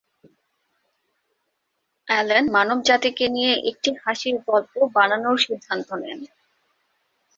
Allen "মানবজাতিকে নিয়ে একটি হাসির গল্প" বানানোর সিদ্ধান্ত নেন।